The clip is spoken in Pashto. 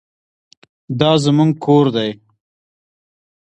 دا زموږ کور دی